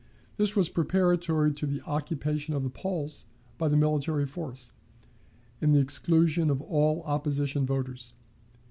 This was preparatory to the occupation of the polls by the military force, and the exclusion of all opposition voters.